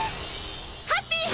ハッピー！